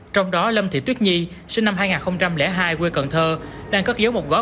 trong đó lâm thị tuyết nhi sinh năm hai nghìn hai quê cần thơ đang cất giấu một gói